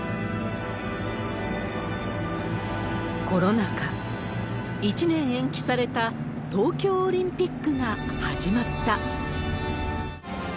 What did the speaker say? コロナ禍、１年延期された東京オリンピックが始まった。